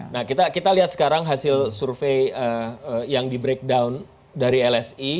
nah kita lihat sekarang hasil survei yang di breakdown dari lsi